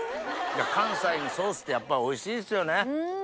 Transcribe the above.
関西のソースってやっぱおいしいですよね。